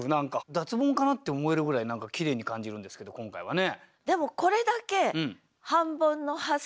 脱ボンかな？って思えるぐらいきれいに感じるんですけど今回はね。